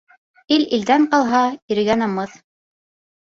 Ил илдән ҡалһа, иргә намыҫ.